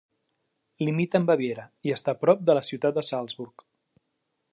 Limita amb Baviera i està prop de la ciutat de Salzburg.